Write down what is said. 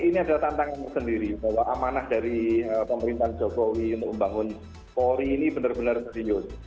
ini adalah tantangan tersendiri bahwa amanah dari pemerintahan jokowi untuk membangun polri ini benar benar serius